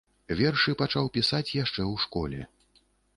Вершы пачаў пісаць яшчэ ў школе.